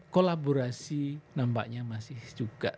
kolaborasi nampaknya masih juga